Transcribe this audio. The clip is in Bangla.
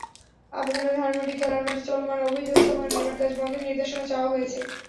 আবেদনে ধানমন্ডি খেলার মাঠে চলমান অবৈধ স্থাপনা নির্মাণকাজ বন্ধের নির্দেশনা চাওয়া হয়েছে।